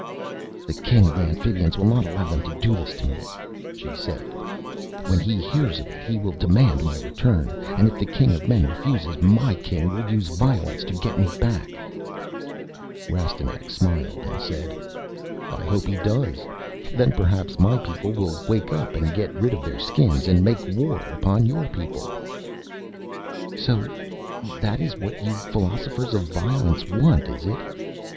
"The King of the Amphibians will not allow them to do this to me," she said. "When he hears of it he will demand my return. And if the King of Men refuses, my King will use violence to get me back." Rastignac smiled and said, "I hope he does. Then perhaps my people will wake up and get rid of their Skins and make war upon your people." "So that is what you Philosophers of Violence want, is it?